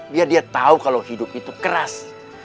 biar dia tau kalau hidup itu keras